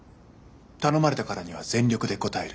頼まれたからには全力で応える。